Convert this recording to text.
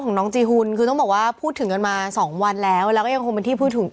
อังโล่บางทีมันใช้ได้ไม่ทุกที่ไงอังโล่